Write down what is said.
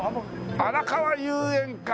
あらかわ遊園か。